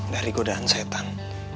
dari godaan setan